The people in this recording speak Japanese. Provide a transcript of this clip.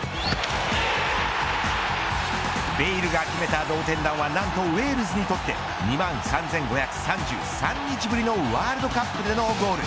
ベイルが決めた同点弾は何とウェールズにとって２万３５３３日ぶりのワールドカップでのゴール。